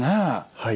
はい。